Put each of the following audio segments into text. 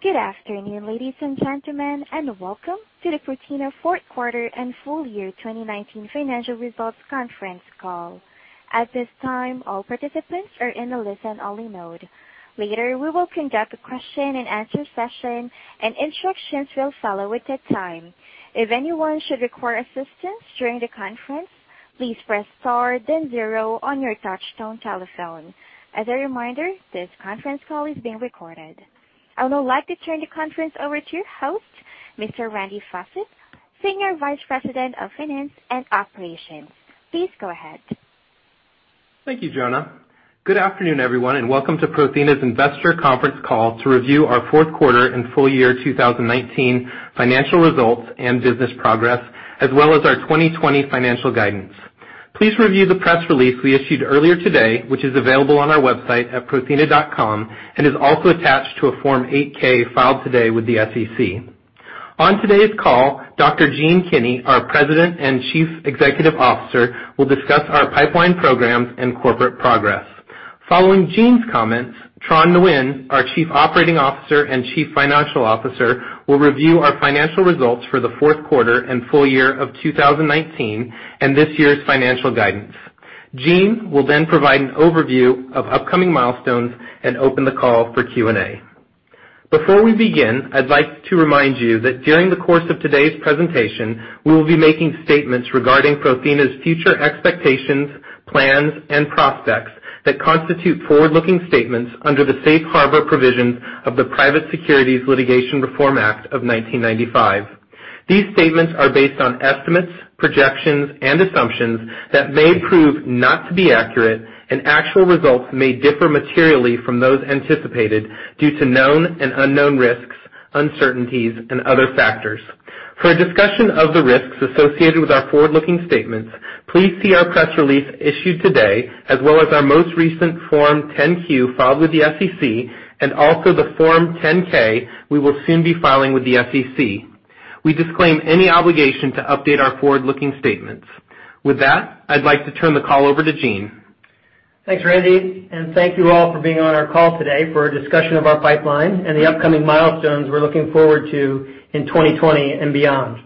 Good afternoon, ladies and gentlemen, and welcome to the Prothena fourth quarter and full year 2019 financial results conference call. At this time, all participants are in a listen-only mode. Later, we will conduct a question-and-answer session. Instructions will follow at that time. If anyone should require assistance during the conference, please press star then zero on your touchtone telephone. As a reminder, this conference call is being recorded. I would now like to turn the conference over to your host, Mr. Randy Fawcett, Senior Vice President of Finance and Operations. Please go ahead. Thank you, Jonah. Good afternoon, everyone, and welcome to Prothena's investor conference call to review our fourth quarter and full year 2019 financial results and business progress, as well as our 2020 financial guidance. Please review the press release we issued earlier today, which is available on our website at prothena.com and is also attached to a Form 8-K filed today with the SEC. On today's call, Dr. Gene Kinney, our President and Chief Executive Officer, will discuss our pipeline programs and corporate progress. Following Gene's comments, Tran Nguyen, our Chief Operating Officer and Chief Financial Officer, will review our financial results for the fourth quarter and full year of 2019 and this year's financial guidance. Gene will then provide an overview of upcoming milestones and open the call for Q&A. Before we begin, I'd like to remind you that during the course of today's presentation, we will be making statements regarding Prothena's future expectations, plans, and prospects that constitute forward-looking statements under the Safe Harbor provisions of the Private Securities Litigation Reform Act of 1995. These statements are based on estimates, projections, and assumptions that may prove not to be accurate and actual results may differ materially from those anticipated due to known and unknown risks, uncertainties and other factors. For a discussion of the risks associated with our forward-looking statements, please see our press release issued today, as well as our most recent Form 10-Q filed with the SEC and also the Form 10-K we will soon be filing with the SEC. We disclaim any obligation to update our forward-looking statements. With that, I'd like to turn the call over to Gene. Thanks, Randy, thank you all for being on our call today for a discussion of our pipeline and the upcoming milestones we're looking forward to in 2020 and beyond.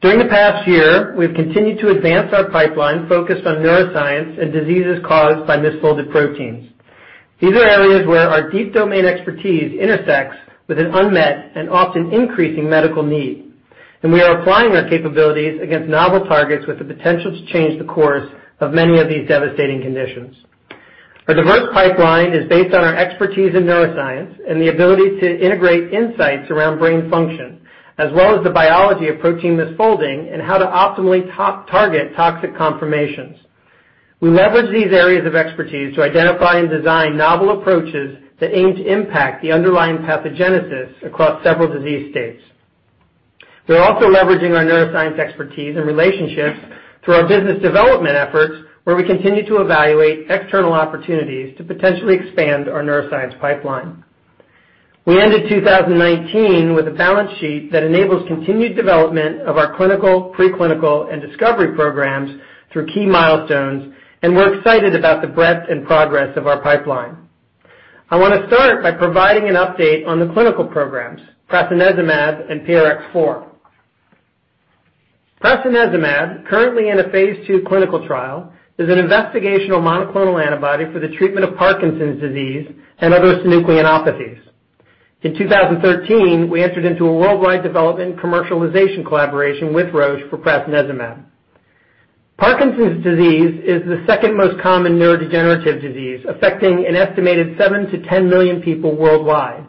During the past year, we've continued to advance our pipeline focused on neuroscience and diseases caused by misfolded proteins. These are areas where our deep domain expertise intersects with an unmet and often increasing medical need, and we are applying our capabilities against novel targets with the potential to change the course of many of these devastating conditions. Our diverse pipeline is based on our expertise in neuroscience and the ability to integrate insights around brain function, as well as the biology of protein misfolding and how to optimally target toxic conformations. We leverage these areas of expertise to identify and design novel approaches that aim to impact the underlying pathogenesis across several disease states. We're also leveraging our neuroscience expertise and relationships through our business development efforts, where we continue to evaluate external opportunities to potentially expand our neuroscience pipeline. We ended 2019 with a balance sheet that enables continued development of our clinical, pre-clinical, and discovery programs through key milestones, and we're excited about the breadth and progress of our pipeline. I want to start by providing an update on the clinical programs, prasinezumab and PRX004. Prasinezumab, currently in a phase II clinical trial, is an investigational monoclonal antibody for the treatment of Parkinson's disease and other synucleinopathies. In 2013, we entered into a worldwide development commercialization collaboration with Roche for prasinezumab. Parkinson's disease is the second most common neurodegenerative disease, affecting an estimated 7 million-10 million people worldwide,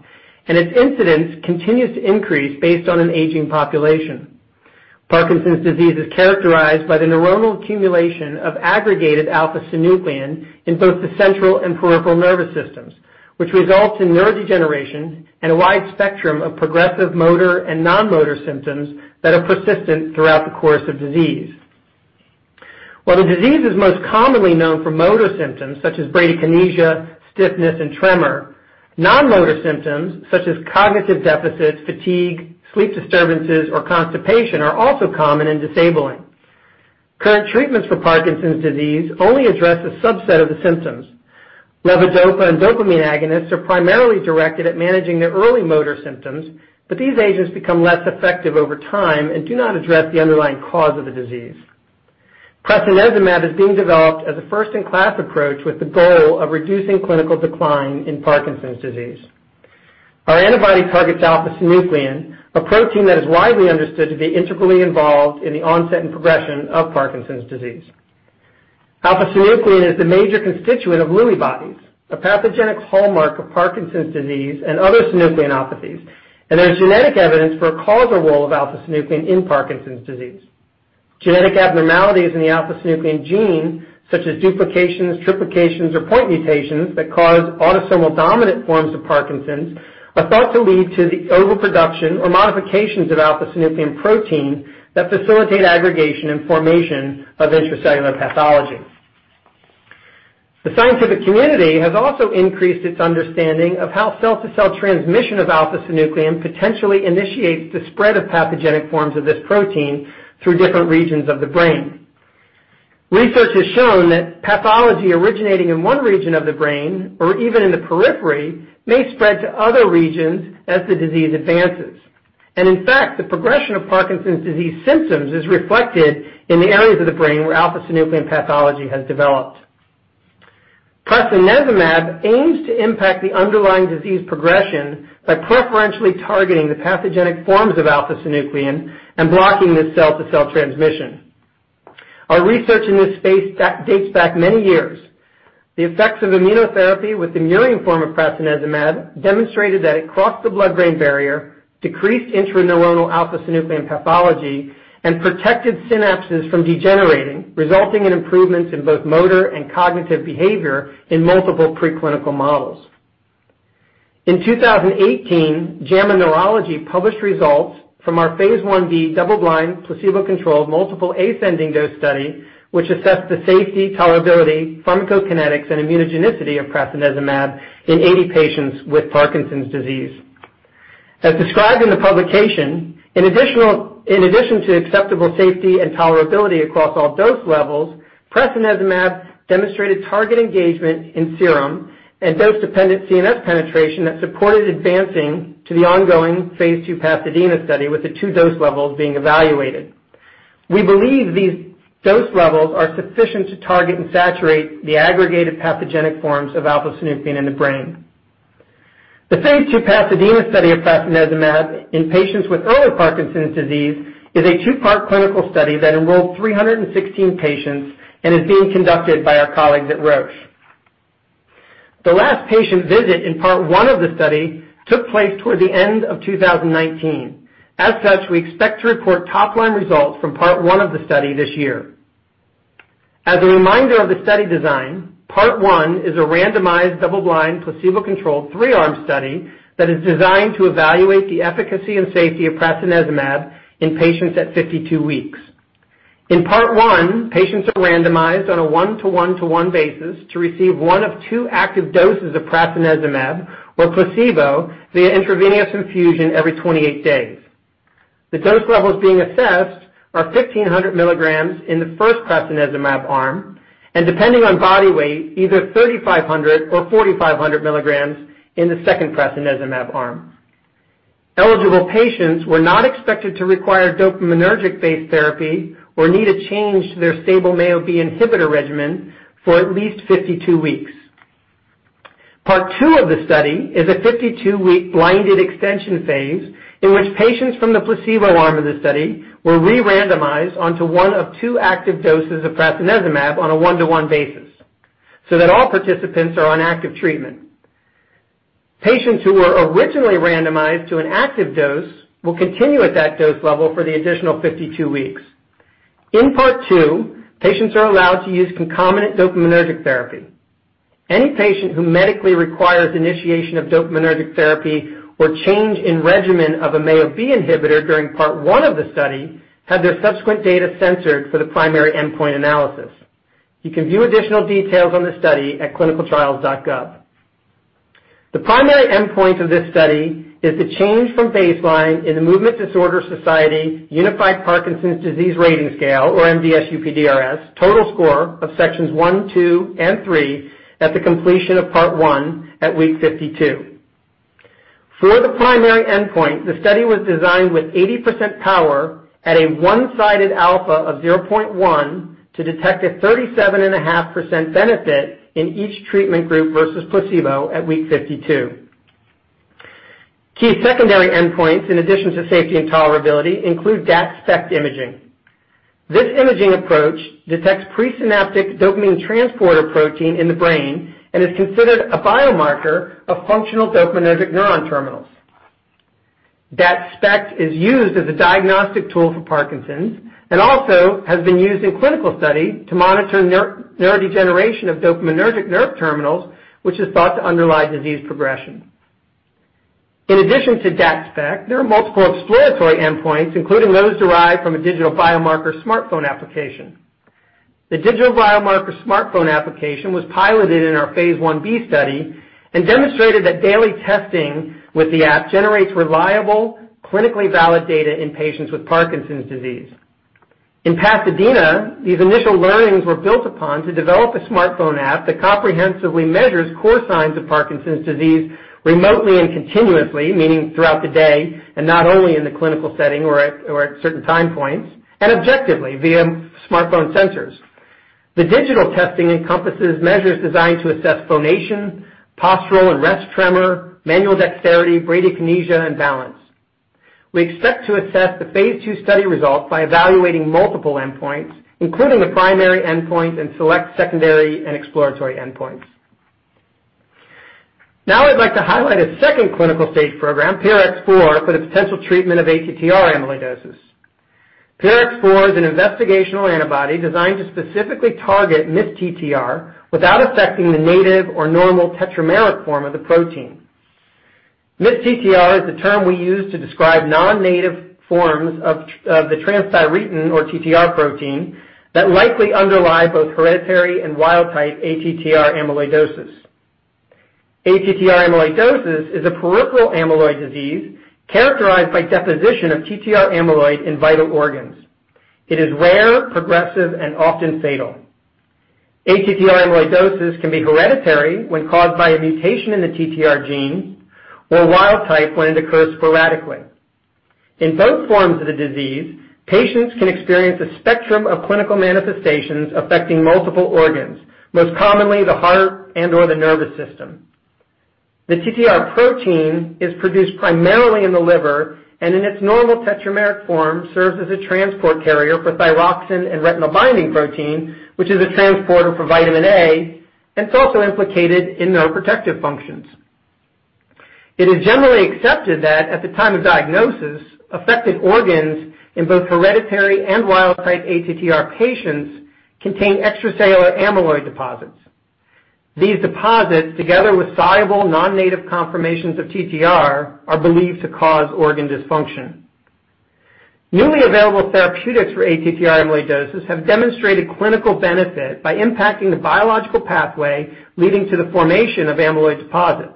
and its incidence continues to increase based on an aging population. Parkinson's disease is characterized by the neuronal accumulation of aggregated alpha-synuclein in both the central and peripheral nervous systems, which results in neurodegeneration and a wide spectrum of progressive motor and non-motor symptoms that are persistent throughout the course of disease. While the disease is most commonly known for motor symptoms such as bradykinesia, stiffness, and tremor, non-motor symptoms such as cognitive deficits, fatigue, sleep disturbances, or constipation are also common and disabling. Current treatments for Parkinson's disease only address a subset of the symptoms. Levodopa and dopamine agonists are primarily directed at managing the early motor symptoms. These agents become less effective over time and do not address the underlying cause of the disease. Prasinezumab is being developed as a first-in-class approach with the goal of reducing clinical decline in Parkinson's disease. Our antibody targets alpha-synuclein, a protein that is widely understood to be integrally involved in the onset and progression of Parkinson's disease. Alpha-synuclein is the major constituent of Lewy bodies, a pathogenic hallmark of Parkinson's disease and other synucleinopathies. There's genetic evidence for a causal role of alpha-synuclein in Parkinson's disease. Genetic abnormalities in the alpha-synuclein gene, such as duplications, triplications, or point mutations that cause autosomal dominant forms of Parkinson's, are thought to lead to the overproduction or modifications of alpha-synuclein protein that facilitate aggregation and formation of intracellular pathology. The scientific community has also increased its understanding of how cell-to-cell transmission of alpha-synuclein potentially initiates the spread of pathogenic forms of this protein through different regions of the brain. Research has shown that pathology originating in one region of the brain, or even in the periphery, may spread to other regions as the disease advances. In fact, the progression of Parkinson's disease symptoms is reflected in the areas of the brain where alpha-synuclein pathology has developed. Prasinezumab aims to impact the underlying disease progression by preferentially targeting the pathogenic forms of alpha-synuclein and blocking this cell-to-cell transmission. Our research in this space dates back many years. The effects of immunotherapy with the murine form of prasinezumab demonstrated that it crossed the blood-brain barrier, decreased intraneuronal alpha-synuclein pathology, and protected synapses from degenerating, resulting in improvements in both motor and cognitive behavior in multiple preclinical models. In 2018, JAMA Neurology published results from our phase I-B double-blind, placebo-controlled, multiple ascending dose study, which assessed the safety, tolerability, pharmacokinetics, and immunogenicity of prasinezumab in 80 patients with Parkinson's disease. As described in the publication, in addition to acceptable safety and tolerability across all dose levels, prasinezumab demonstrated target engagement in serum and dose-dependent CNS penetration that supported advancing to the ongoing phase II PASADENA study with the two dose levels being evaluated. We believe these dose levels are sufficient to target and saturate the aggregated pathogenic forms of alpha-synuclein in the brain. The phase II PASADENA study of prasinezumab in patients with early Parkinson's disease is a two-part clinical study that enrolled 316 patients and is being conducted by our colleagues at Roche. The last patient visit in part 1 of the study took place toward the end of 2019. As such, we expect to report top-line results from part 1 of the study this year. As a reminder of the study design, part one is a randomized, double-blind, placebo-controlled, three-arm study that is designed to evaluate the efficacy and safety of prasinezumab in patients at 52 weeks. In part one, patients are randomized on a one-to-one to one basis to receive one of two active doses of prasinezumab or placebo via intravenous infusion every 28 days. The dose levels being assessed are 1,500 mg in the first prasinezumab arm, and depending on body weight, either 3,500 or 4,500 mg in the second prasinezumab arm. Eligible patients were not expected to require dopaminergic-based therapy or need a change to their stable MAO-B inhibitor regimen for at least 52 weeks. Part two of the study is a 52-week blinded extension phase in which patients from the placebo arm of the study were re-randomized onto one of two active doses of prasinezumab on a one-to-one basis so that all participants are on active treatment. Patients who were originally randomized to an active dose will continue at that dose level for the additional 52 weeks. In part two, patients are allowed to use concomitant dopaminergic therapy. Any patient who medically requires initiation of dopaminergic therapy or change in regimen of a MAO-B inhibitor during part one of the study had their subsequent data censored for the primary endpoint analysis. You can view additional details on the study at clinicaltrials.gov. The primary endpoint of this study is the change from baseline in the Movement Disorder Society-Unified Parkinson's Disease Rating Scale, or MDS-UPDRS, total score of sections 1, 2, and 3 at the completion of part 1 at week 52. For the primary endpoint, the study was designed with 80% power at a one-sided alpha of 0.1 to detect a 37.5% benefit in each treatment group versus placebo at week 52. Key secondary endpoints, in addition to safety and tolerability, include DaT SPECT imaging. This imaging approach detects presynaptic dopamine transporter protein in the brain and is considered a biomarker of functional dopaminergic neuron terminals. DaT SPECT is used as a diagnostic tool for Parkinson's and also has been used in clinical study to monitor neurodegeneration of dopaminergic nerve terminals, which is thought to underlie disease progression. In addition to DaT SPECT, there are multiple exploratory endpoints, including those derived from a digital biomarker smartphone application. The digital biomarker smartphone application was piloted in our phase I-B study and demonstrated that daily testing with the app generates reliable, clinically valid data in patients with Parkinson's disease. In PASADENA, these initial learnings were built upon to develop a smartphone app that comprehensively measures core signs of Parkinson's disease remotely and continuously, meaning throughout the day and not only in the clinical setting or at certain time points, and objectively via smartphone sensors. The digital testing encompasses measures designed to assess phonation, postural and rest tremor, manual dexterity, bradykinesia, and balance. We expect to assess the phase II study results by evaluating multiple endpoints, including the primary endpoint and select secondary and exploratory endpoints. Now I'd like to highlight a second clinical-stage program, PRX004, for the potential treatment of ATTR amyloidosis. PRX004 is an investigational antibody designed to specifically target misTTR without affecting the native or normal tetrameric form of the protein. MisTTR is the term we use to describe non-native forms of the transthyretin or TTR protein that likely underlie both hereditary and wild-type ATTR amyloidosis. ATTR amyloidosis is a peripheral amyloid disease characterized by deposition of TTR amyloid in vital organs. It is rare, progressive, and often fatal. ATTR amyloidosis can be hereditary when caused by a mutation in the TTR gene, or wild type when it occurs sporadically. In both forms of the disease, patients can experience a spectrum of clinical manifestations affecting multiple organs, most commonly the heart and/or the nervous system. The TTR protein is produced primarily in the liver, and in its normal tetrameric form, serves as a transport carrier for thyroxine and retinol binding protein, which is a transporter for vitamin A and it's also implicated in neuroprotective functions. It is generally accepted that at the time of diagnosis, affected organs in both hereditary and wild-type ATTR patients contain extracellular amyloid deposits. These deposits, together with soluble non-native conformations of TTR, are believed to cause organ dysfunction. Newly available therapeutics for ATTR amyloidosis have demonstrated clinical benefit by impacting the biological pathway, leading to the formation of amyloid deposits.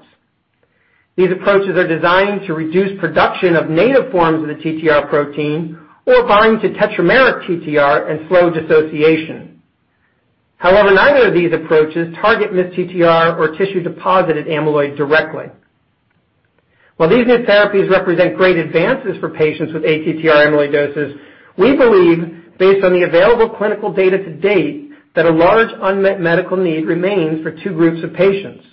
These approaches are designed to reduce production of native forms of the TTR protein or bind to tetrameric TTR and slow dissociation. However, neither of these approaches target misTTR or tissue-deposited amyloid directly. While these new therapies represent great advances for patients with ATTR amyloidosis, we believe based on the available clinical data to date, that a large unmet medical need remains for two groups of patients.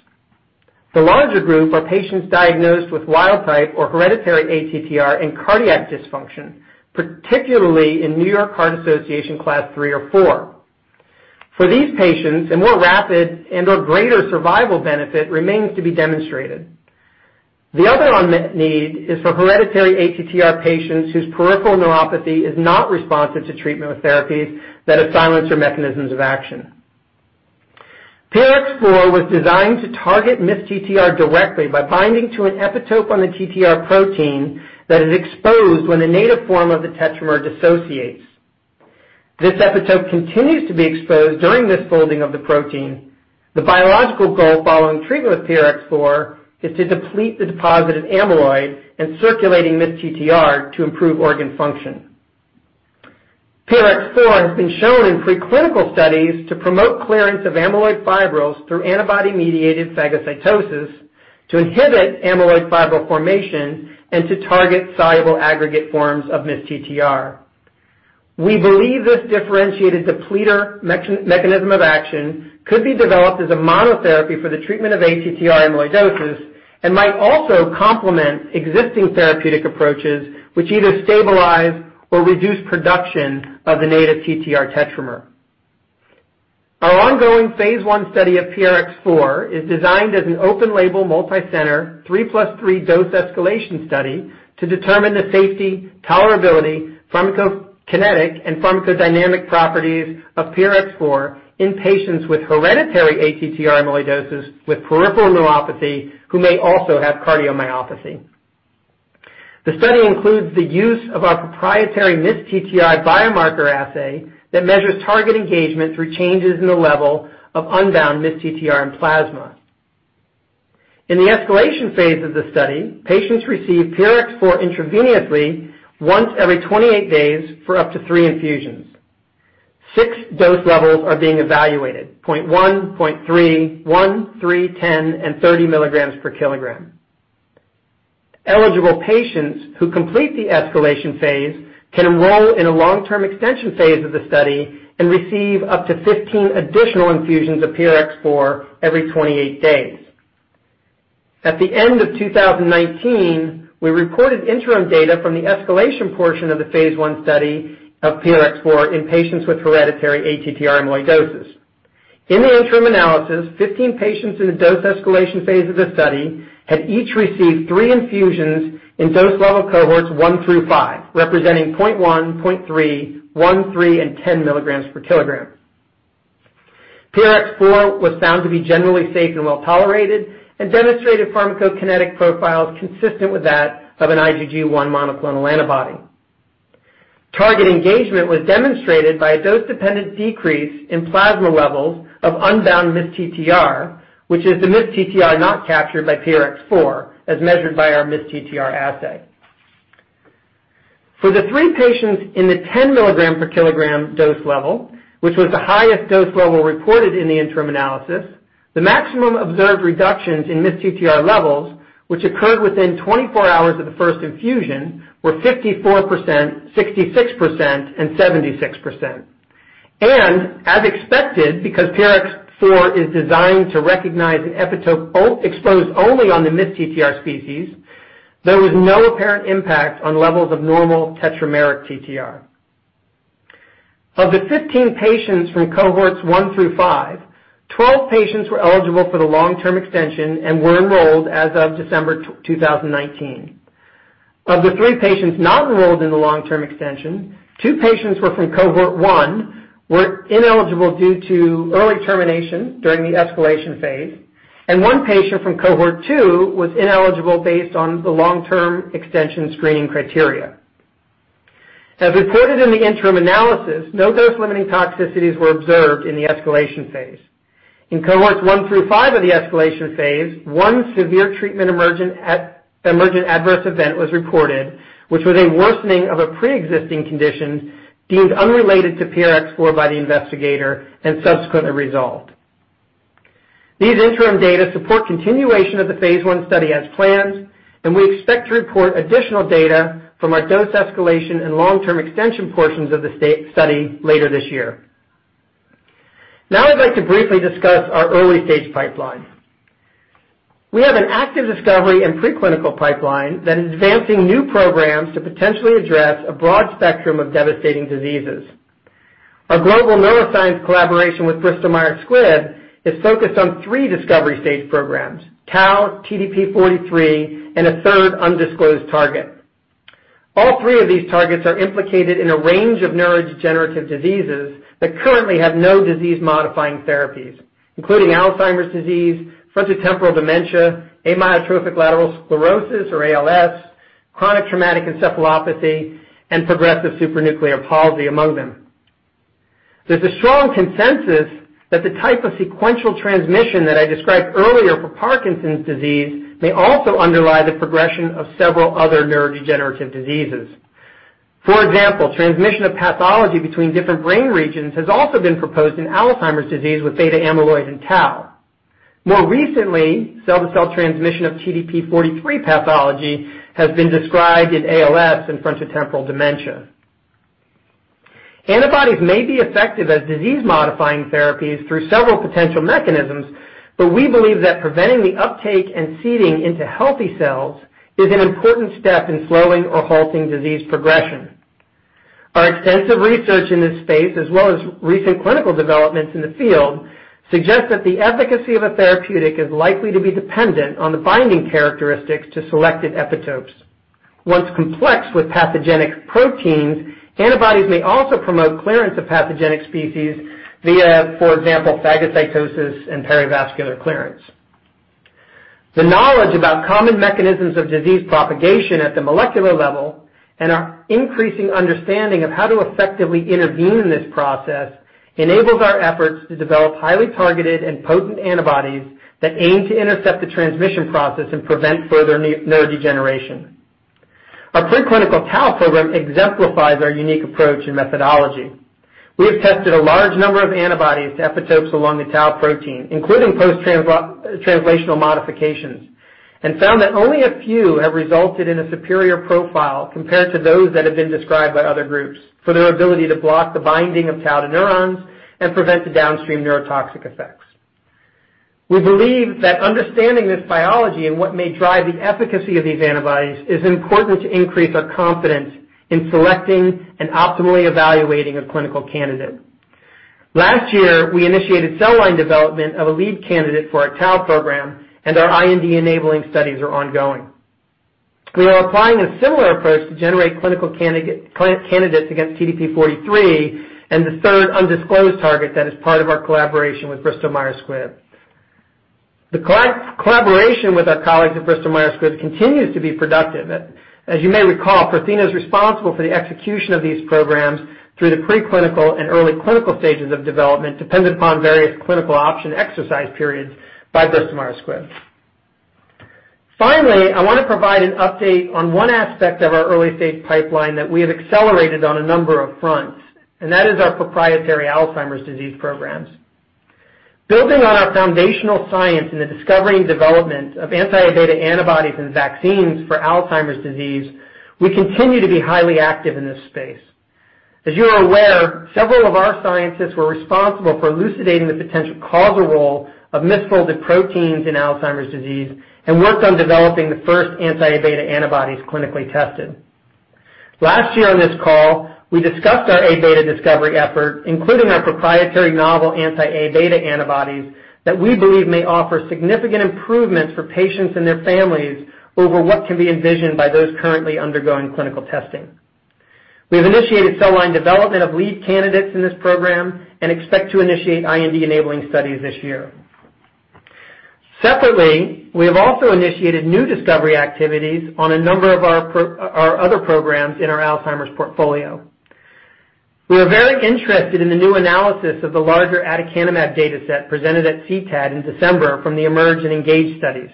The larger group are patients diagnosed with wild type or hereditary ATTR and cardiac dysfunction, particularly in New York Heart Association Class 3 or 4. For these patients, a more rapid and/or greater survival benefit remains to be demonstrated. The other unmet need is for hereditary ATTR patients whose peripheral neuropathy is not responsive to treatment with therapies that have silencer mechanisms of action. PRX004 was designed to target misTTR directly by binding to an epitope on the TTR protein that is exposed when the native form of the tetramer dissociates. This epitope continues to be exposed during misfolding of the protein. The biological goal following treatment with PRX004 is to deplete the deposited amyloid and circulating misTTR to improve organ function. PRX004 has been shown in preclinical studies to promote clearance of amyloid fibrils through antibody-mediated phagocytosis, to inhibit amyloid fibril formation, and to target soluble aggregate forms of misTTR. We believe this differentiated depleter mechanism of action could be developed as a monotherapy for the treatment of ATTR amyloidosis and might also complement existing therapeutic approaches which either stabilize or reduce production of the native TTR tetramer. Our ongoing phase I study of PRX004 is designed as an open-label, multicenter, 3+3 dose-escalation study to determine the safety, tolerability, pharmacokinetic, and pharmacodynamic properties of PRX004 in patients with hereditary ATTR amyloidosis with peripheral neuropathy who may also have cardiomyopathy. The study includes the use of our proprietary misTTR biomarker assay that measures target engagement through changes in the level of unbound misTTR and plasma. In the escalation phase of the study, patients receive PRX004 intravenously once every 28 days for up to three infusions. Six dose levels are being evaluated: 0.1, 0.3, 1, 3, 10, and 30 mg per kg. Eligible patients who complete the escalation phase can enroll in a long-term extension phase of the study and receive up to 15 additional infusions of PRX004 every 28 days. At the end of 2019, we reported interim data from the escalation portion of the phase I study of PRX004 in patients with hereditary ATTR amyloidosis. In the interim analysis, 15 patients in the dose escalation phase of the study had each received three infusions in dose level cohorts 1 through 5, representing 0.1, 0.3, 1, 3, and 10 mg per kg. PRX004 was found to be generally safe and well-tolerated and demonstrated pharmacokinetic profiles consistent with that of an IgG1 monoclonal antibody. Target engagement was demonstrated by a dose-dependent decrease in plasma levels of unbound misTTR, which is the misTTR not captured by PRX004, as measured by our misTTR assay. For the three patients in the 10 mg per kg dose level, which was the highest dose level reported in the interim analysis, the maximum observed reductions in misTTR levels, which occurred within 24 hours of the first infusion, were 54%, 66%, and 76%. As expected, because PRX004 is designed to recognize an epitope exposed only on the misTTR species, there was no apparent impact on levels of normal tetrameric TTR. Of the 15 patients from cohorts 1 through 5, 12 patients were eligible for the long-term extension and were enrolled as of December 2019. Of the three patients not enrolled in the long-term extension, two patients were from cohort 1, were ineligible due to early termination during the escalation phase, and one patient from cohort 2 was ineligible based on the long-term extension screening criteria. As reported in the interim analysis, no dose-limiting toxicities were observed in the escalation phase. In cohorts 1 through 5 of the escalation phase, one severe treatment emergent adverse event was reported, which was a worsening of a preexisting condition deemed unrelated to PRX004 by the investigator and subsequently resolved. These interim data support continuation of the phase I study as planned, and we expect to report additional data from our dose escalation and long-term extension portions of the study later this year. Now I'd like to briefly discuss our early-stage pipeline. We have an active discovery and preclinical pipeline that is advancing new programs to potentially address a broad spectrum of devastating diseases. Our global neuroscience collaboration with Bristol Myers Squibb is focused on three discovery stage programs, tau, TDP-43, and a third undisclosed target. All three of these targets are implicated in a range of neurodegenerative diseases that currently have no disease-modifying therapies, including Alzheimer's disease, frontotemporal dementia, amyotrophic lateral sclerosis or ALS, chronic traumatic encephalopathy, and progressive supranuclear palsy among them. There's a strong consensus that the type of sequential transmission that I described earlier for Parkinson's disease may also underlie the progression of several other neurodegenerative diseases. For example, transmission of pathology between different brain regions has also been proposed in Alzheimer's disease with beta amyloid and tau. More recently, cell-to-cell transmission of TDP-43 pathology has been described in ALS and frontotemporal dementia. Antibodies may be effective as disease-modifying therapies through several potential mechanisms, we believe that preventing the uptake and seeding into healthy cells is an important step in slowing or halting disease progression. Our extensive research in this space, as well as recent clinical developments in the field, suggests that the efficacy of a therapeutic is likely to be dependent on the binding characteristics to selected epitopes. Once complexed with pathogenic proteins, antibodies may also promote clearance of pathogenic species via, for example, phagocytosis and perivascular clearance. The knowledge about common mechanisms of disease propagation at the molecular level, and our increasing understanding of how to effectively intervene in this process, enables our efforts to develop highly targeted and potent antibodies that aim to intercept the transmission process and prevent further neurodegeneration. Our preclinical tau program exemplifies our unique approach and methodology. We have tested a large number of antibodies to epitopes along the tau protein, including post-translational modifications, and found that only a few have resulted in a superior profile compared to those that have been described by other groups for their ability to block the binding of tau to neurons and prevent the downstream neurotoxic effects. We believe that understanding this biology and what may drive the efficacy of these antibodies is important to increase our confidence in selecting and optimally evaluating a clinical candidate. Last year, we initiated cell line development of a lead candidate for our tau program, and our IND-enabling studies are ongoing. We are applying a similar approach to generate clinical candidates against TDP-43 and the third undisclosed target that is part of our collaboration with Bristol Myers Squibb. The collaboration with our colleagues at Bristol Myers Squibb continues to be productive. As you may recall, Prothena is responsible for the execution of these programs through the preclinical and early clinical stages of development, dependent upon various clinical option exercise periods by Bristol Myers Squibb. Finally, I want to provide an update on one aspect of our early-stage pipeline that we have accelerated on a number of fronts, and that is our proprietary Alzheimer's disease programs. Building on our foundational science in the discovery and development of anti-amyloid beta antibodies and vaccines for Alzheimer's disease, we continue to be highly active in this space. As you are aware, several of our scientists were responsible for elucidating the potential causal role of misfolded proteins in Alzheimer's disease and worked on developing the first anti-amyloid beta antibodies clinically tested. Last year on this call, we discussed our amyloid beta discovery effort, including our proprietary novel anti-amyloid beta antibodies that we believe may offer significant improvements for patients and their families over what can be envisioned by those currently undergoing clinical testing. We have initiated cell line development of lead candidates in this program and expect to initiate IND-enabling studies this year. Separately, we have also initiated new discovery activities on a number of our other programs in our Alzheimer's portfolio. We are very interested in the new analysis of the larger aducanumab data set presented at CTAD in December from the EMERGE and ENGAGE studies.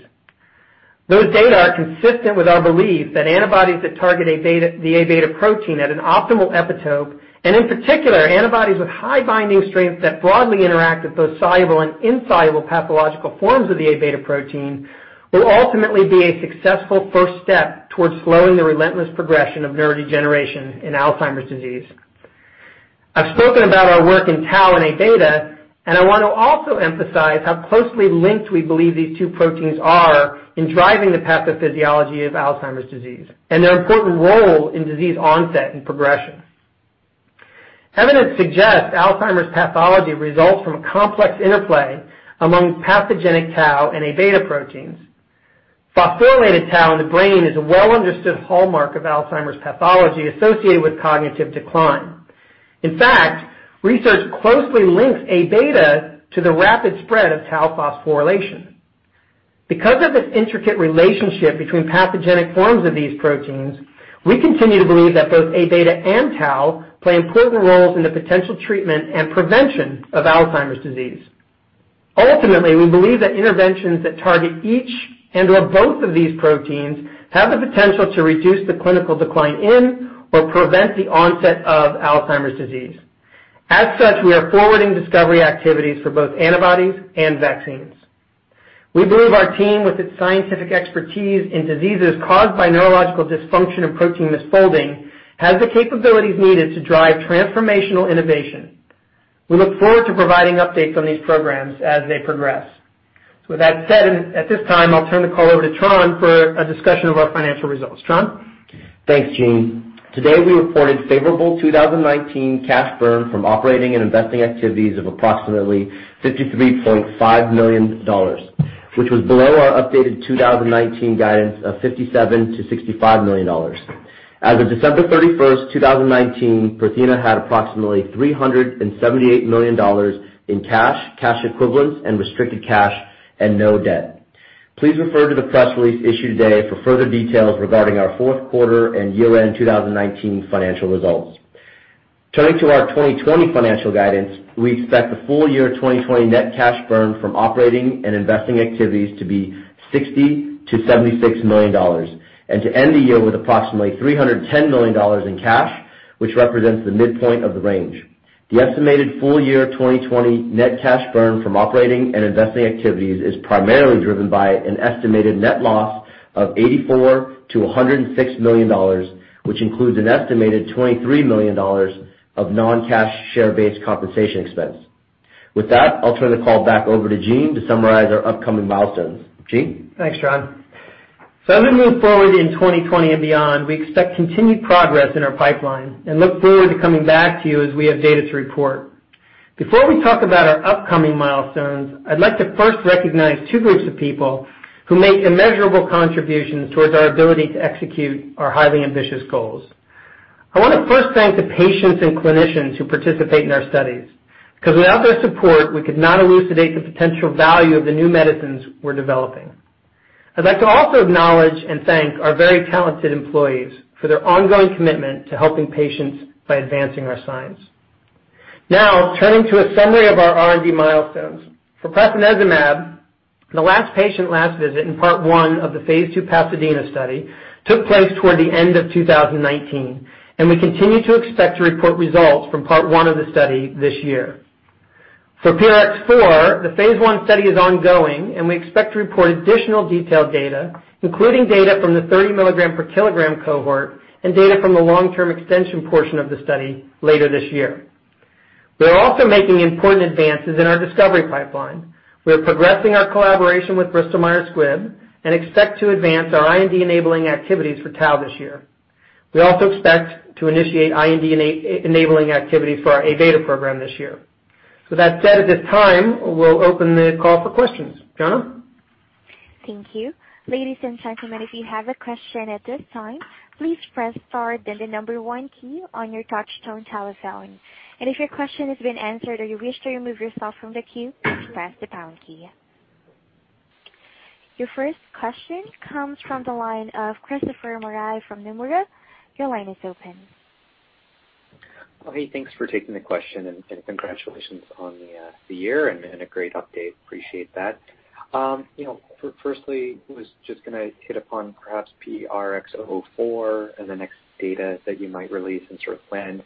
Those data are consistent with our belief that antibodies that target the amyloid beta protein at an optimal epitope, and in particular, antibodies with high binding strength that broadly interact with both soluble and insoluble pathological forms of the amyloid beta protein, will ultimately be a successful first step towards slowing the relentless progression of neurodegeneration in Alzheimer's disease. I want to also emphasize how closely linked we believe these two proteins are in driving the pathophysiology of Alzheimer's disease and their important role in disease onset and progression. Evidence suggests Alzheimer's pathology results from a complex interplay among pathogenic tau and amyloid beta proteins. Phosphorylated tau in the brain is a well-understood hallmark of Alzheimer's pathology associated with cognitive decline. In fact, research closely links amyloid beta to the rapid spread of tau phosphorylation. Because of this intricate relationship between pathogenic forms of these proteins, we continue to believe that both A-beta and tau play important roles in the potential treatment and prevention of Alzheimer's disease. Ultimately, we believe that interventions that target each and/or both of these proteins have the potential to reduce the clinical decline in or prevent the onset of Alzheimer's disease. As such, we are forwarding discovery activities for both antibodies and vaccines. We believe our team, with its scientific expertise in diseases caused by neurological dysfunction and protein misfolding, has the capabilities needed to drive transformational innovation. We look forward to providing updates on these programs as they progress. With that said, at this time, I'll turn the call over to Tran for a discussion of our financial results. Tran? Thanks, Gene. Today, we reported favorable 2019 cash burn from operating and investing activities of approximately $53.5 million, which was below our updated 2019 guidance of $57 million-$65 million. As of December 31st, 2019, Prothena had approximately $378 million in cash equivalents, and restricted cash, and no debt. Please refer to the press release issued today for further details regarding our fourth quarter and year-end 2019 financial results. Turning to our 2020 financial guidance, we expect the full year 2020 net cash burn from operating and investing activities to be $60 million-$76 million, and to end the year with approximately $310 million in cash, which represents the midpoint of the range. The estimated full year 2020 net cash burn from operating and investing activities is primarily driven by an estimated net loss of $84 million-$106 million, which includes an estimated $23 million of non-cash share-based compensation expense. With that, I'll turn the call back over to Gene to summarize our upcoming milestones. Gene? Thanks, Tran. As we move forward in 2020 and beyond, we expect continued progress in our pipeline and look forward to coming back to you as we have data to report. Before we talk about our upcoming milestones, I'd like to first recognize two groups of people who make immeasurable contributions towards our ability to execute our highly ambitious goals. I want to first thank the patients and clinicians who participate in our studies, because without their support, we could not elucidate the potential value of the new medicines we're developing. I'd like to also acknowledge and thank our very talented employees for their ongoing commitment to helping patients by advancing our science. Turning to a summary of our R&D milestones. For prasinezumab, the last patient last visit in part one of the phase II PASADENA study took place toward the end of 2019. We continue to expect to report results from part one of the study this year. For PRX004, the phase I study is ongoing and we expect to report additional detailed data, including data from the 30 mg/kg cohort and data from the long-term extension portion of the study later this year. We are also making important advances in our discovery pipeline. We are progressing our collaboration with Bristol Myers Squibb and expect to advance our IND-enabling activities for tau this year. We also expect to initiate IND-enabling activity for our A-beta program this year. With that said, at this time, we'll open the call for questions. Jenna? Thank you. Ladies and gentlemen, if you have a question at this time, please press star then the number one key on your touchtone telephone. If your question has been answered or you wish to remove yourself from the queue, press the pound key. Your first question comes from the line of Christopher Marai from Nomura. Your line is open. Hey, thanks for taking the question. Congratulations on the year and a great update. Appreciate that. Firstly, was just gonna hit upon perhaps PRX004 and the next data that you might release and sort of when.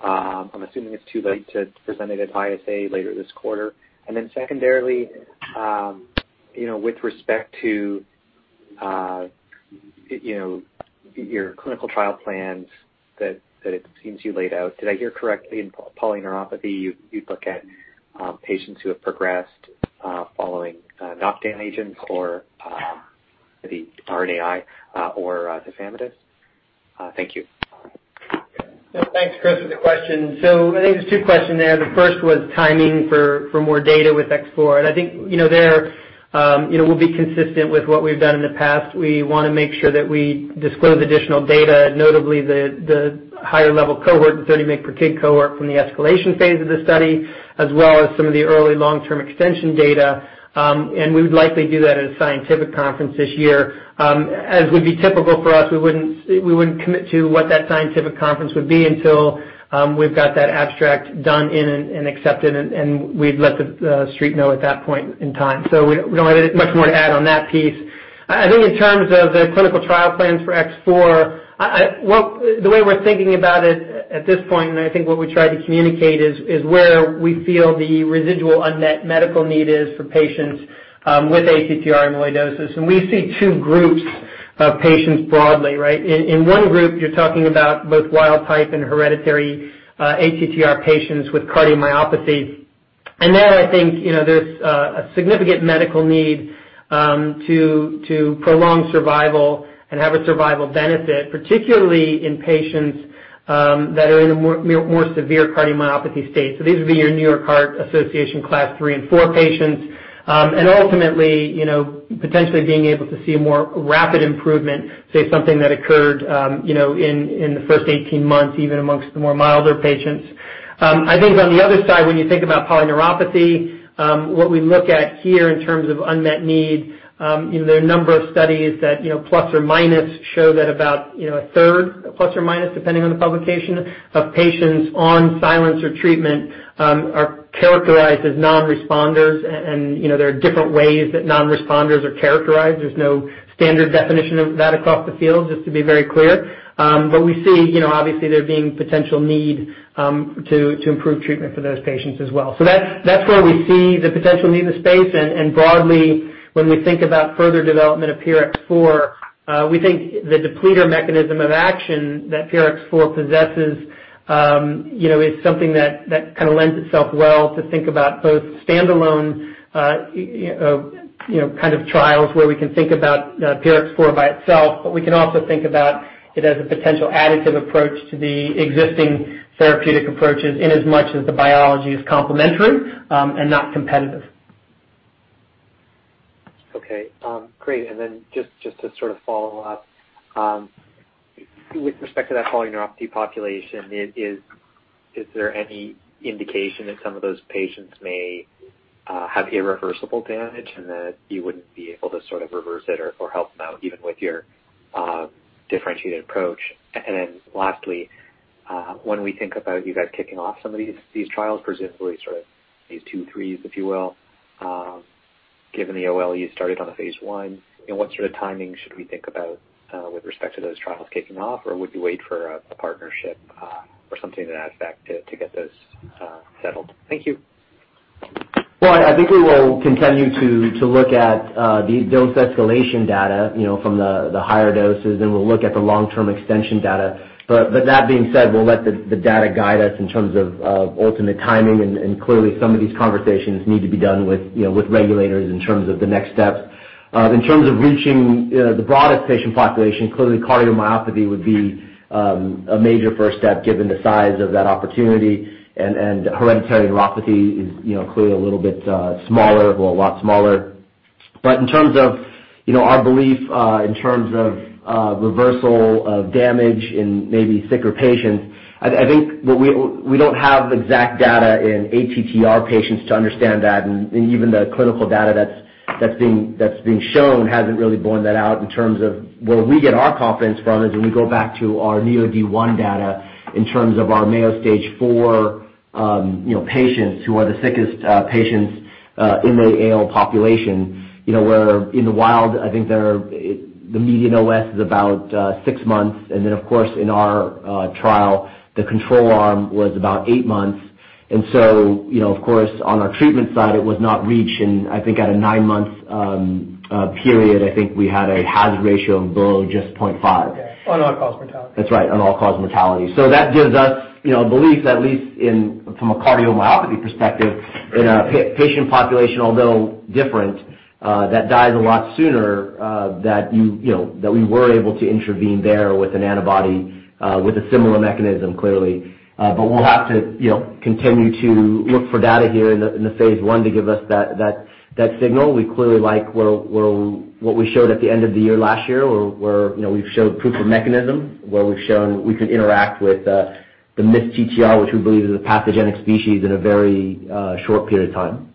I'm assuming it's too late to present it at ISA later this quarter. Secondarily, with respect to your clinical trial plans that it seems you laid out, did I hear correctly in polyneuropathy, you'd look at patients who have progressed following NaFDAC agents or the RNAi or tafamidis? Thank you. Thanks, Chris, for the question. I think there's two questions there. The first was timing for more data with PRX004. I think there we'll be consistent with what we've done in the past. We want to make sure that we disclose additional data, notably the higher-level cohort, the 30 mg per kg cohort from the escalation phase of the study, as well as some of the early long-term extension data. We'd likely do that at a scientific conference this year. As would be typical for us, we wouldn't commit to what that scientific conference would be until we've got that abstract done, in, and accepted, and we'd let the street know at that point in time. We don't have much more to add on that piece. I think in terms of the clinical trial plans for PRX004, the way we're thinking about it at this point, I think what we tried to communicate is where we feel the residual unmet medical need is for patients with ATTR amyloidosis. We see two groups of patients broadly, right? In one group, you're talking about both wild type and hereditary ATTR patients with cardiomyopathy. There I think there's a significant medical need to prolong survival and have a survival benefit, particularly in patients that are in a more severe cardiomyopathy state. These would be your New York Heart Association Class III and IV patients. Ultimately, potentially being able to see a more rapid improvement, say, something that occurred in the first 18 months, even amongst the more milder patients. I think on the other side, when you think about polyneuropathy, what we look at here in terms of unmet need, there are a number of studies that, plus or minus, show that about a third, plus or minus, depending on the publication, of patients on Vyndaqel or treatment are characterized as non-responders. There are different ways that non-responders are characterized. There's no standard definition of that across the field, just to be very clear. We see, obviously, there being potential need to improve treatment for those patients as well. That's where we see the potential need in the space, and broadly, when we think about further development of PRX004, we think the depleter mechanism of action that PRX004 possesses is something that lends itself well to think about both standalone kind of trials where we can think about PRX004 by itself, but we can also think about it as a potential additive approach to the existing therapeutic approaches inasmuch as the biology is complementary and not competitive. Okay. Great. Just to sort of follow up, with respect to that polyneuropathy population, is there any indication that some of those patients may have irreversible damage and that you wouldn't be able to sort of reverse it or help them out even with your differentiated approach? Lastly, when we think about you guys kicking off some of these trials, presumably sort of these two threes, if you will, given the OLE you started on a phase I, what sort of timing should we think about with respect to those trials kicking off? Would you wait for a partnership or something to that effect to get those settled? Thank you. Well, I think we will continue to look at the dose escalation data from the higher doses, and we'll look at the long-term extension data. That being said, we'll let the data guide us in terms of ultimate timing, and clearly, some of these conversations need to be done with regulators in terms of the next steps. In terms of reaching the broadest patient population, clearly cardiomyopathy would be a major first step given the size of that opportunity, and hereditary neuropathy is clearly a little bit smaller, well, a lot smaller. In terms of our belief in terms of reversal of damage in maybe sicker patients, I think we don't have exact data in ATTR patients to understand that, and even the clinical data that's being shown hasn't really borne that out. Where we get our confidence from is when we go back to our NEOD001 data in terms of our Mayo Stage IV patients who are the sickest patients in the AL population. Where in the wild, I think the median OS is about six months, and then, of course, in our trial, the control arm was about eight months. Of course on our treatment side, it was not reached in, I think, at a nine-month period, I think we had a hazard ratio of below just 0.5. On all-cause mortality. That's right, on all-cause mortality. That gives us belief, at least from a cardiomyopathy perspective, in a patient population, although different, that dies a lot sooner, that we were able to intervene there with an antibody, with a similar mechanism, clearly. We'll have to continue to look for data here in the phase I to give us that signal. We clearly like what we showed at the end of the year last year, where we've showed proof of mechanism, where we've shown we could interact with the misTTR, which we believe is a pathogenic species, in a very short period of time.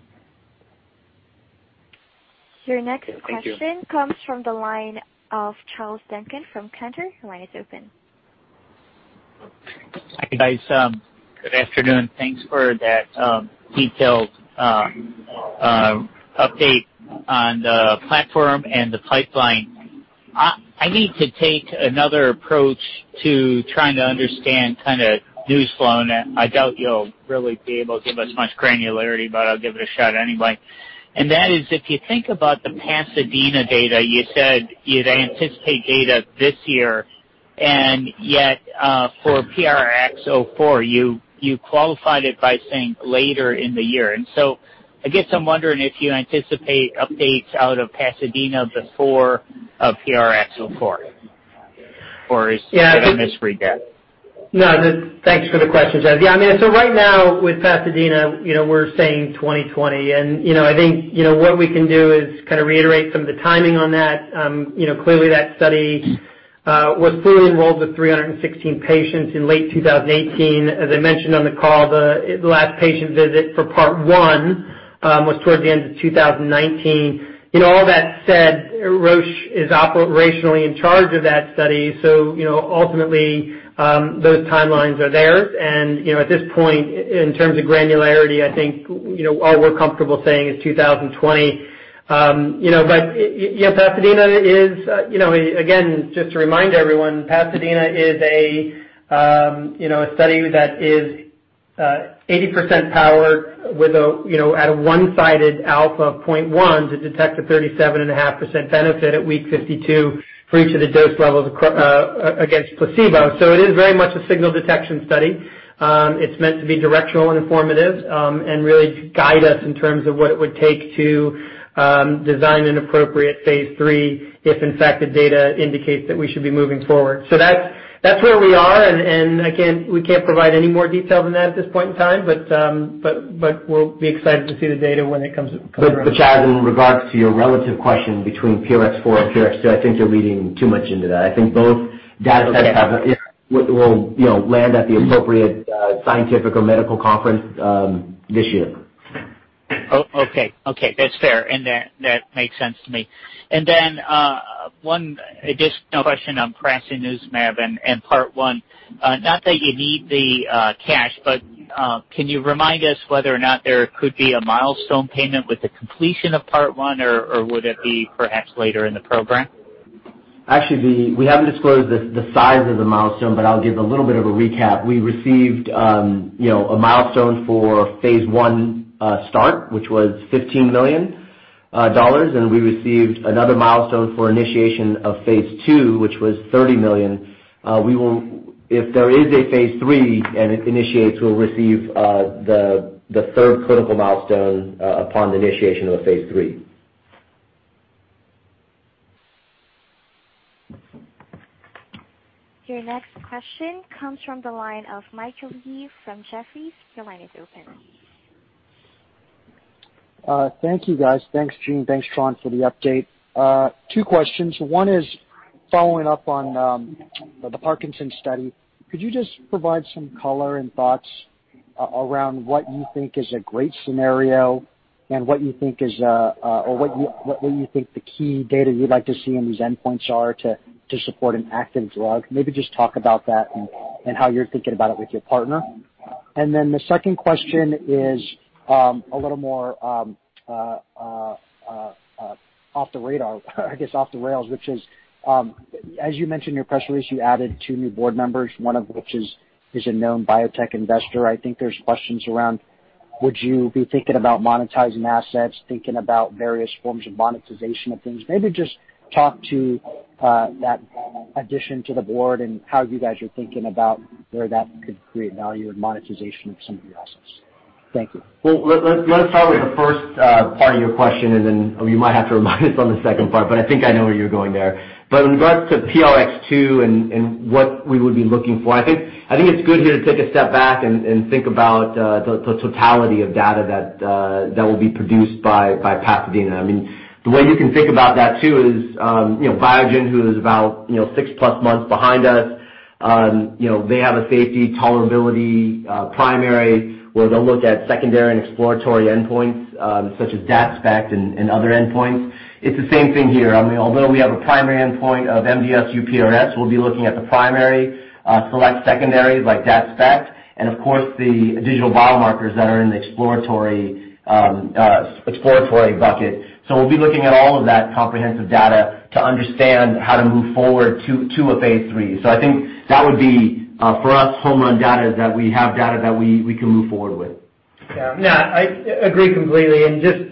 Thank you. Your next question comes from the line of Charles Duncan from Cantor. Your line is open. Hi, guys. Good afternoon. Thanks for that detailed update on the platform and the pipeline. I need to take another approach to trying to understand news flow. I doubt you'll really be able to give us much granularity, but I'll give it a shot anyway. That is, if you think about the PASADENA data, you said you'd anticipate data this year, yet for PRX004, you qualified it by saying later in the year. I guess I'm wondering if you anticipate updates out of PASADENA before PRX004? Yeah. that a misread there? No, thanks for the question, Charles. Yeah, right now with PASADENA, we're saying 2020. I think what we can do is kind of reiterate some of the timing on that. Clearly that study was fully enrolled with 316 patients in late 2018. As I mentioned on the call, the last patient visit for part 1 was towards the end of 2019. All that said, Roche is operationally in charge of that study. Ultimately, those timelines are theirs. At this point, in terms of granularity, I think all we're comfortable saying is 2020. PASADENA is, again, just to remind everyone, PASADENA is a study that is 80% powered at a one-sided alpha of 0.1 to detect a 37.5% benefit at week 52 for each of the dose levels against placebo. It is very much a signal detection study. It's meant to be directional and informative and really guide us in terms of what it would take to design an appropriate phase III if in fact the data indicates that we should be moving forward. That's where we are, and again, we can't provide any more detail than that at this point in time. We'll be excited to see the data when it comes around. Charles, in regards to your relative question between PRX004 and PRX002, I think you're reading too much into that. Okay. will land at the appropriate scientific or medical conference this year. Okay. That's fair, and that makes sense to me. One additional question on prasinezumab and part 1. Not that you need the cash, but can you remind us whether or not there could be a milestone payment with the completion of part 1, or would it be perhaps later in the program? Actually, we haven't disclosed the size of the milestone, but I'll give a little bit of a recap. We received a milestone for phase I start, which was $15 million, and we received another milestone for initiation of phase II, which was $30 million. If there is a phase III and it initiates, we'll receive the third clinical milestone upon the initiation of a phase III. Your next question comes from the line of Michael Yee from Jefferies. Your line is open. Thank you, guys. Thanks, Gene. Thanks, Tran, for the update. Two questions. One is following up on the Parkinson's study. Could you just provide some color and thoughts around what you think is a great scenario and what you think the key data you'd like to see in these endpoints are to support an active drug? Maybe just talk about that and how you're thinking about it with your partner. The second question is a little more off the radar, I guess off the rails, which is, as you mentioned in your press release, you added two new board members, one of which is a known biotech investor. I think there's questions around would you be thinking about monetizing assets, thinking about various forms of monetization of things? Maybe just talk to that addition to the board and how you guys are thinking about where that could create value in monetization of some of your assets. Thank you. Well, let's start with the first part of your question, and then you might have to remind us on the second part, but I think I know where you're going there. In regards to PRX002 and what we would be looking for, I think it's good here to take a step back and think about the totality of data that will be produced by PASADENA. The way you can think about that too is Biogen, who is about six-plus months behind us, they have a safety tolerability primary, where they'll look at secondary and exploratory endpoints, such as DaT-SPECT and other endpoints. It's the same thing here. Although we have a primary endpoint of MDS-UPDRS, we'll be looking at the primary, select secondaries like DaT-SPECT, and of course, the digital biomarkers that are in the exploratory bucket. We'll be looking at all of that comprehensive data to understand how to move forward to a phase III. I think that would be, for us, home-run data that we have data that we can move forward with. Yeah. No, I agree completely. I just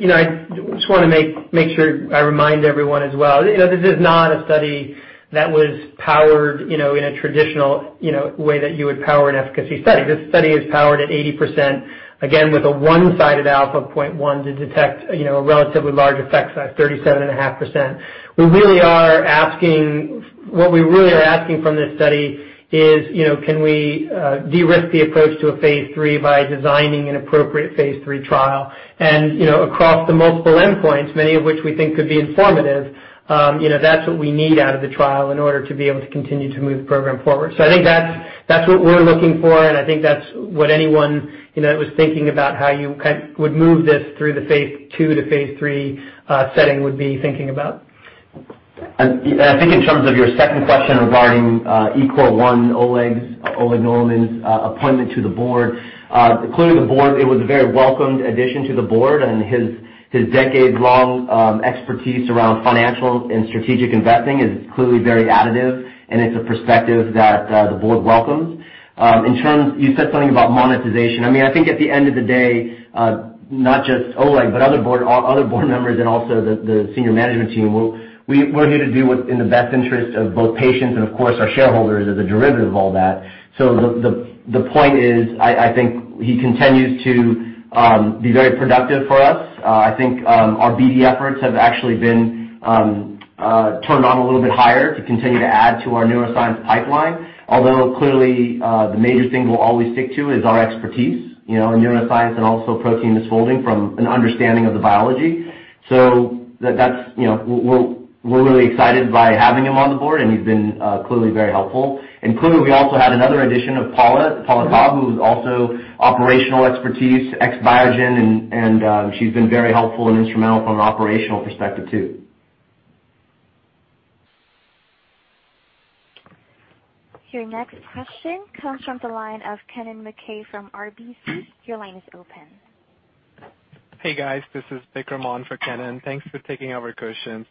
want to make sure I remind everyone as well, this is not a study that was powered in a traditional way that you would power an efficacy study. This study is powered at 80%, again, with a one-sided alpha of 0.1 to detect a relatively large effect size, 37.5%. What we really are asking from this study is, can we de-risk the approach to a phase III by designing an appropriate phase III trial? Across the multiple endpoints, many of which we think could be informative, that's what we need out of the trial in order to be able to continue to move the program forward. I think that's what we're looking for, and I think that's what anyone that was thinking about how you would move this through the phase II to phase III setting would be thinking about. I think in terms of your second question regarding Eoin O'Golan, Oleg Nodelman's appointment to the board. Clearly, the board, it was a very welcomed addition to the board, and his decades-long expertise around financial and strategic investing is clearly very additive, and it's a perspective that the board welcomes. You said something about monetization. I think at the end of the day, not just Oleg, but other board members and also the senior management team, we're here to do what's in the best interest of both patients and of course, our shareholders as a derivative of all that. The point is, I think he continues to be very productive for us. I think our BD efforts have actually been turned on a little bit higher to continue to add to our neuroscience pipeline. Although clearly, the major thing we'll always stick to is our expertise in neuroscience and also protein misfolding from an understanding of the biology. We're really excited by having him on the board, and he's been clearly very helpful. Clearly, we also had another addition of Paula Cobb, who's also operational expertise, ex Biogen, and she's been very helpful and instrumental from an operational perspective, too. Your next question comes from the line of Kennen MacKay from RBC. Your line is open. Hey, guys. This is Bikram on for Kennen. Thanks for taking our questions.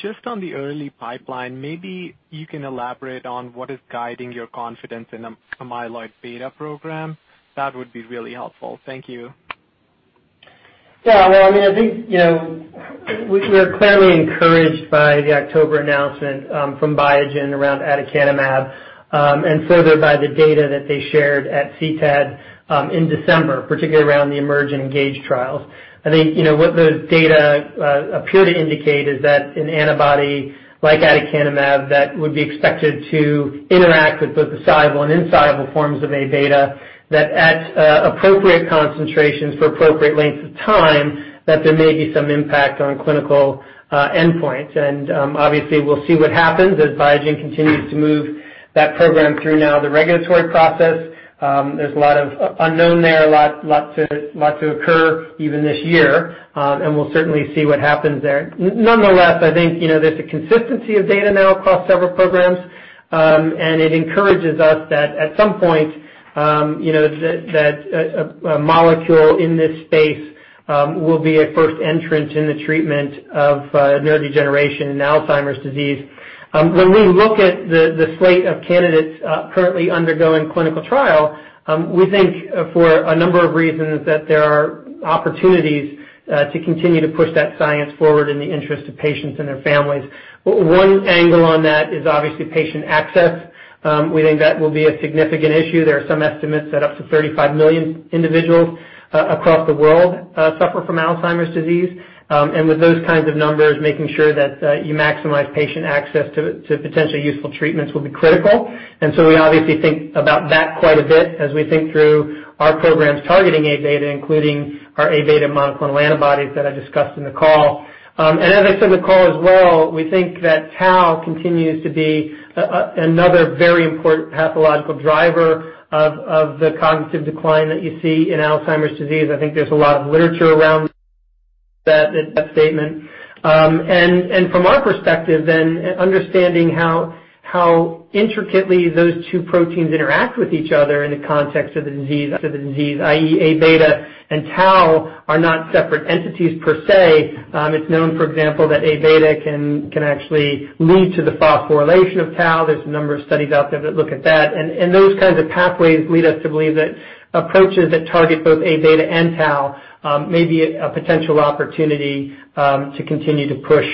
Just on the early pipeline, maybe you can elaborate on what is guiding your confidence in the amyloid beta program. That would be really helpful. Thank you. Well, I think we're clearly encouraged by the October announcement from Biogen around aducanumab, and further by the data that they shared at CTAD in December, particularly around the EMERGE and ENGAGE trials. I think what those data appear to indicate is that an antibody like aducanumab that would be expected to interact with both the soluble and insoluble forms of A-beta, that at appropriate concentrations for appropriate lengths of time, that there may be some impact on clinical endpoints. Obviously, we'll see what happens as Biogen continues to move that program through now, the regulatory process, there's a lot of unknown there, a lot to occur even this year, and we'll certainly see what happens there. Nonetheless, I think there's a consistency of data now across several programs, and it encourages us that at some point that a molecule in this space will be a first entrant in the treatment of neurodegeneration in Alzheimer's disease. When we look at the slate of candidates currently undergoing clinical trial, we think for a number of reasons that there are opportunities to continue to push that science forward in the interest of patients and their families. One angle on that is obviously patient access. We think that will be a significant issue. There are some estimates that up to 35 million individuals across the world suffer from Alzheimer's disease. With those kinds of numbers, making sure that you maximize patient access to potentially useful treatments will be critical. We obviously think about that quite a bit as we think through our programs targeting amyloid beta, including our amyloid beta monoclonal antibodies that I discussed in the call. As I said in the call as well, we think that tau continues to be another very important pathological driver of the cognitive decline that you see in Alzheimer's disease. I think there's a lot of literature around that statement. From our perspective then, understanding how intricately those two proteins interact with each other in the context of the disease, i.e. amyloid beta and tau are not separate entities per se. It's known, for example, that amyloid beta can actually lead to the phosphorylation of tau. There's a number of studies out there that look at that. Those kinds of pathways lead us to believe that approaches that target both amyloid beta and tau may be a potential opportunity to continue to push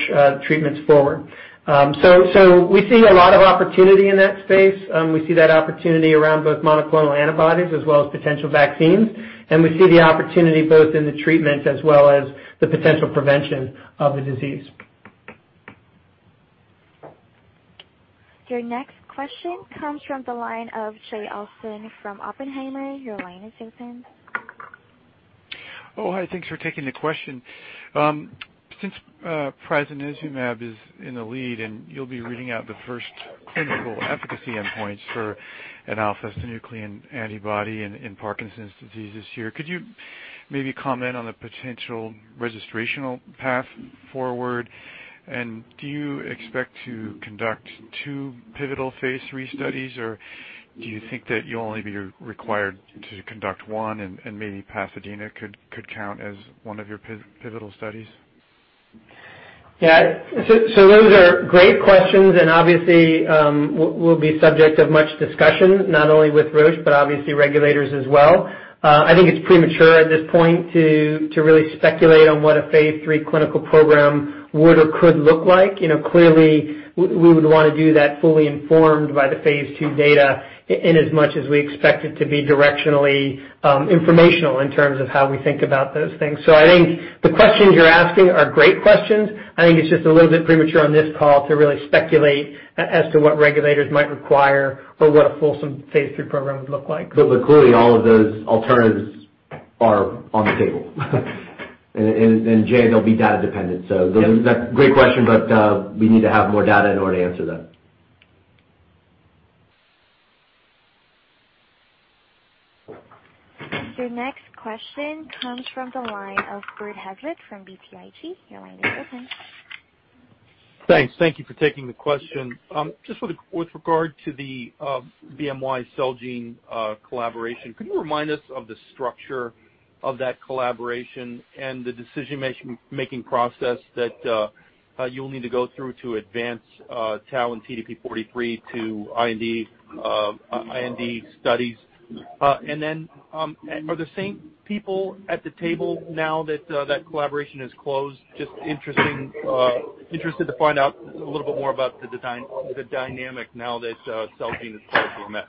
treatments forward. We see a lot of opportunity in that space. We see that opportunity around both monoclonal antibodies as well as potential vaccines. We see the opportunity both in the treatment as well as the potential prevention of the disease. Your next question comes from the line of Jay Olsen from Oppenheimer. Your line is open. Oh, hi. Thanks for taking the question. Since prasinezumab is in the lead, and you'll be reading out the first clinical efficacy endpoints for an alpha-synuclein antibody in Parkinson's disease this year, could you maybe comment on the potential registrational path forward? Do you expect to conduct two pivotal phase III studies, or do you think that you'll only be required to conduct one and maybe PASADENA could count as one of your pivotal studies? Yeah. Those are great questions, and obviously, will be subject of much discussion, not only with Roche, but obviously regulators as well. I think it's premature at this point to really speculate on what a phase III clinical program would or could look like. Clearly, we would want to do that fully informed by the phase II data inasmuch as we expect it to be directionally informational in terms of how we think about those things. I think the questions you're asking are great questions. I think it's just a little bit premature on this call to really speculate as to what regulators might require or what a fulsome phase III program would look like. Clearly, all of those alternatives are on the table. Jay, they'll be data dependent. Yep. Great question, but we need to have more data in order to answer that. Your next question comes from the line of Bert Hazlett from BTIG. Your line is open. Thanks. Thank you for taking the question. Just with regard to the BMY Celgene collaboration, could you remind us of the structure of that collaboration and the decision-making process that you'll need to go through to advance tau and TDP-43 to IND studies? Are the same people at the table now that that collaboration has closed? Just interested to find out a little bit more about the dynamic now that Celgene is part of BMS.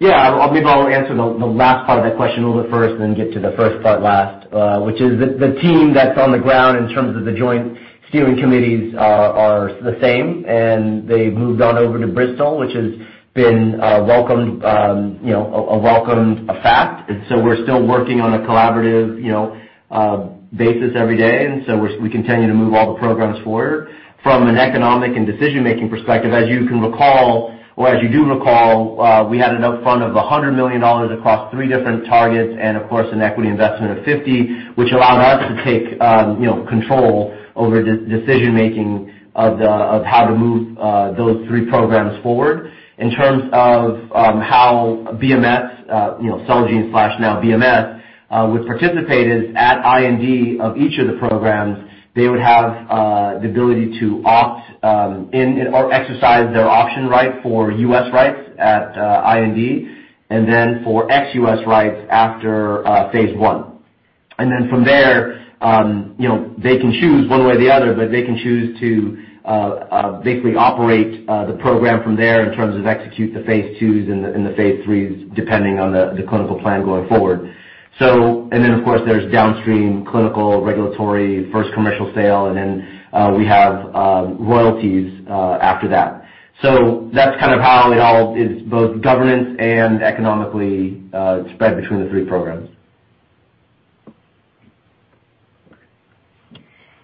Thanks. Maybe I'll answer the last part of that question a little bit first, then get to the first part last, which is the team that's on the ground in terms of the joint steering committees are the same, and they've moved on over to Bristol, which has been a welcomed fact. We're still working on a collaborative basis every day, we continue to move all the programs forward. From an economic and decision-making perspective, as you can recall, or as you do recall, we had an upfront of $100 million across three different targets and of course, an equity investment of $50, which allowed us to take control over decision-making of how to move those three programs forward. In terms of how BMS, Celgene/now BMS would participate is at IND of each of the programs. They would have the ability to opt in or exercise their option right for U.S. rights at IND, then for ex-U.S. rights after phase I. From there, they can choose one way or the other, but they can choose to basically operate the program from there in terms of execute the phase IIs and the phase IIIs, depending on the clinical plan going forward. Of course, there's downstream clinical, regulatory, first commercial sale, then we have royalties after that. That's how it all is both governance and economically spread between the three programs.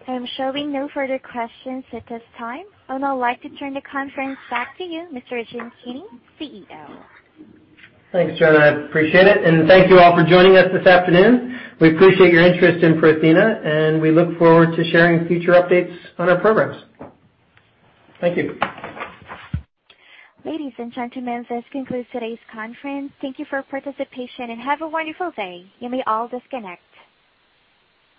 I am showing no further questions at this time. I'd like to turn the conference back to you, Mr. Gene Kinney, CEO. Thanks, Jenna. I appreciate it. Thank you all for joining us this afternoon. We appreciate your interest in Prothena, and we look forward to sharing future updates on our programs. Thank you. Ladies and gentlemen, this concludes today's conference. Thank you for participation, and have a wonderful day. You may all disconnect.